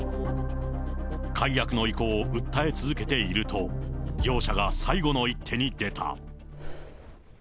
解約の意向を訴え続けていると、業者が最後の一手に出た。